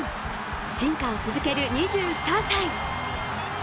進化を続ける２３歳。